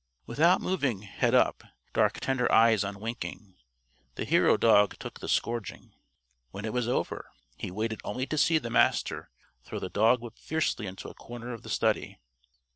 Without moving head up, dark tender eyes unwinking the hero dog took the scourging. When it was over, he waited only to see the Master throw the dog whip fiercely into a corner of the study.